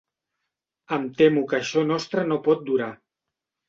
Em temo que això nostre no pot durar.